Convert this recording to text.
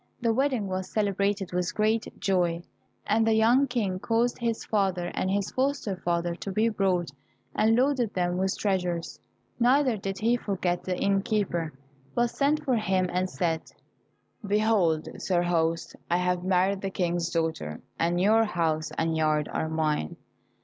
The wedding was celebrated with great joy, and the young King caused his father and his foster father to be brought, and loaded them with treasures. Neither did he forget the inn keeper, but sent for him and said, "Behold, sir host, I have married the King's daughter, and your house and yard are mine."